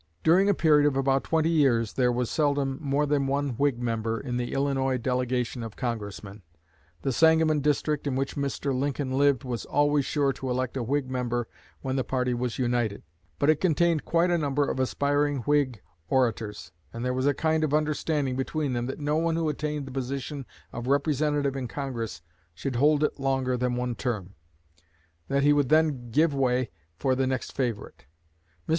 During a period of about twenty years there was seldom more than one Whig member in the Illinois delegation of Congressmen. The Sangamon district, in which Mr. Lincoln lived, was always sure to elect a Whig member when the party was united; but it contained quite a number of aspiring Whig orators, and there was a kind of understanding between them that no one who attained the position of Representative in Congress should hold it longer than one term; that he would then give way for the next favorite. Mr.